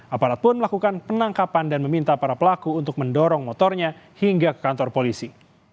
aparat pun melakukan penangkapan dan meminta para pelaku untuk mendorong motornya hingga ke kantor polisi